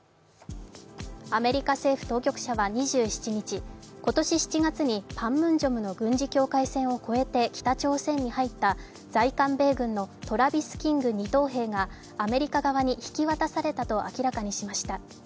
アメリカ政府当局者は２７日、今年７月にパンムンジョムの軍事境界線を越えて北朝鮮に入った在韓米軍のトラビス・キング二等兵がアメリカ側に引き渡されたと明らかにしました。